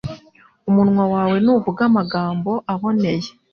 umunwa wawe nuvuga amagambo aboneye